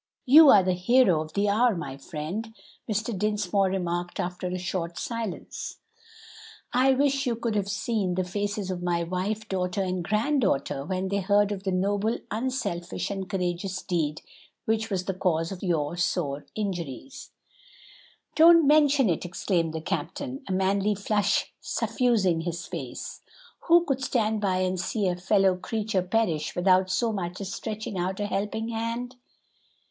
"You are the hero of the hour, my friend," Mr. Dinsmore remarked after a short silence. "I wish you could have seen the faces of my wife, daughter, and granddaughter when they heard of the noble, unselfish, and courageous deed which was the cause of your sore injuries." "Don't mention it!" exclaimed the captain, a manly flush suffusing his face; "who could stand by and see a fellow creature perish without so much as stretching out a helping hand?"